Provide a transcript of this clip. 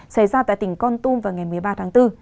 xảy ra tại tỉnh con tum vào ngày một mươi ba tháng bốn